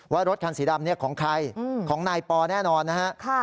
ว่ารถคันสีดำของใครของนายปอแน่นอนนะฮะ